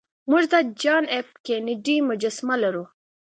موږ د جان ایف کینیډي مجسمه لرو